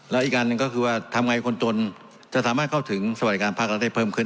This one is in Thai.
แล้วอีกอันหนึ่งก็คือว่าทำไงคนจนจะสามารถเข้าถึงสวัสดิการภาครัฐได้เพิ่มขึ้น